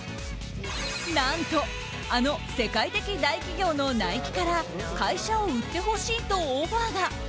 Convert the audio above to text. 何と、あの世界的大企業のナイキから会社を売ってほしいとオファーが。